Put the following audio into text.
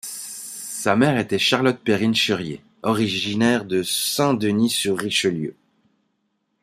Sa mère était Charlotte-Périne Cherrier, originaire de Saint-Denis-sur-Richelieu.